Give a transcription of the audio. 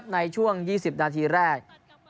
ในช่วง๒๐นาทีแรก